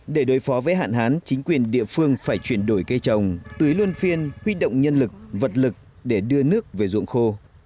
để đối phó với hạn hán chính quyền địa phương phải chuyển đổi cây trồng tưới luân phiên huy động nhân lực vật lực để đưa nước về ruộng khô